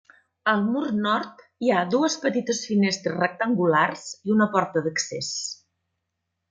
Al mur nord hi ha dues petites finestres rectangulars i una porta d'accés.